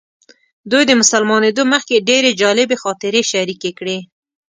دوی د مسلمانېدو مخکې ډېرې جالبې خاطرې شریکې کړې.